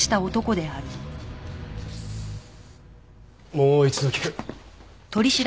もう一度聞く。